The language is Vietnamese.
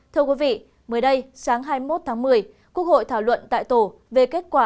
thưa quý vị mới đây sáng hai mươi một tháng một mươi quốc hội thảo luận tại tổ về kết quả